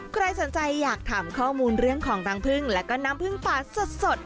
ใครสนใจอยากถามข้อมูลเรื่องของรังพึ่งแล้วก็น้ำผึ้งปลาสด